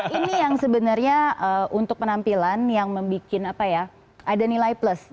ini yang sebenarnya untuk penampilan yang membuat apa ya ada nilai plus